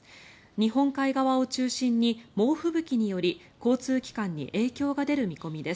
日本海側を中心に猛吹雪により交通機関に影響が出る見込みです。